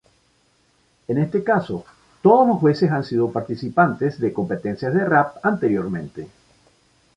En este caso todos los jueces han sido participantes de competencias de rap anteriormente.